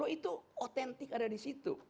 itu otentik ada di situ